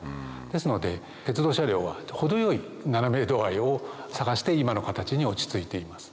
ですので鉄道車両は程よい斜め度合いを探して今の形に落ち着いています。